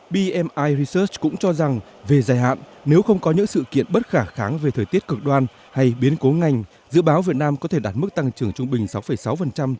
bmi research cũng cho rằng về dài hạn nếu không có những sự kiện bất khả kháng về thời tiết cực đoan hay biến cố ngành dự báo việt nam có thể đạt mức tăng trưởng trung bình sáu sáu trong vòng một thập kỷ tới